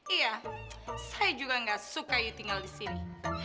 iya saya juga gak suka lu tinggal di sini